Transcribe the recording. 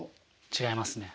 違いますね。